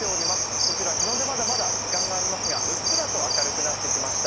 こちら日の出まで、まだまだ時間がありますが、うっすらと明るくなってきました。